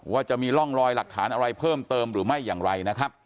ว่าจะมีร่องรอยหลักฐานอะไรเพิ่มเติมหรือไม่อย่างไรนะครับ